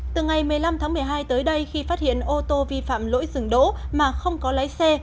từ ngày một mươi năm tháng một mươi hai tới đây khi phát hiện ô tô vi phạm lỗi dừng đỗ mà không có lái xe